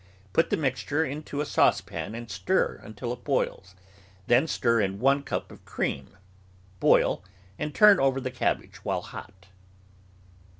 Put the mixture into a sauce pan and stir until it boils; then stir in one cup of cream, boil, and turn over the cabbage while hot.